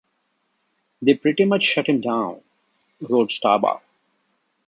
"They pretty much shut him down", wrote Staubach.